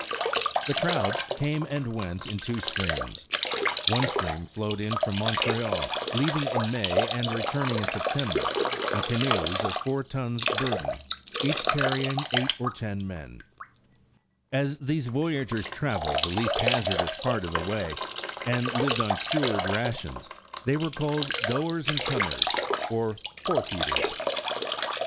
The crowds came and went in two streams. One stream flowed in from Montreal, leaving in May and returning in September, in canoes of four tons' burden, each carrying eight or ten men. As these voyageurs trav eled the least hazardous part of the way, and lived on 101 The Original John Jacob Astor cured rations, they were called ''Goers and Comers*' or '' Pork Eaters.